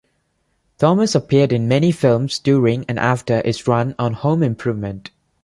Thomas appeared in many films during and after his run on "Home Improvement".